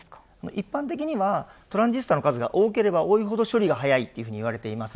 一般的にはトランジスタの数が多ければ多いほど処理が速いというふうに言われています。